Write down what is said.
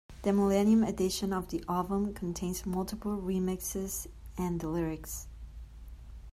The millennium edition of the album contains multiple remixes and the lyrics.